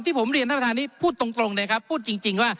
ผมเรียนท่านประธานนี้พูดตรงเลยครับพูดจริงว่า